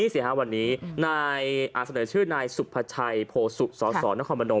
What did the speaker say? เสนอชื่อนายสุภัชัยโผสุสสนน